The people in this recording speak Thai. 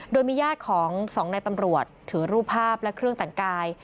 โดยมีญาติของสองในตำรวจถือรูปภาพและเครื่องแต่งกาย